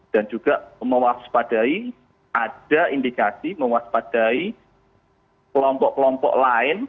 dan juga mewaspadai ada indikasi mewaspadai kelompok kelompok lain